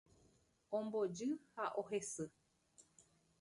Ombojy ha ohesy.